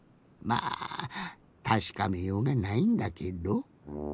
まあたしかめようがないんだけど。